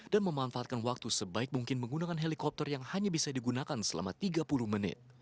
dan memanfaatkan waktu sebaik mungkin menggunakan helikopter yang hanya bisa digunakan selama tiga puluh menit